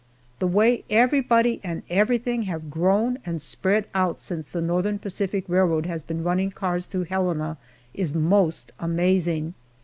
The way everybody and everything have grown and spread out since the Northern Pacific Railroad has been running cars through Helena is most amazing.